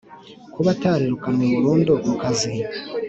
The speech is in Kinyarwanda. kuba atarirukanwe burundu ku kazi